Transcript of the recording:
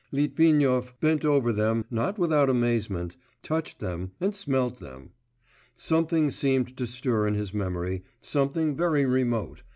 Litvinov bent over them not without amazement, touched them, and smelt them.... Something seemed to stir in his memory, something very remote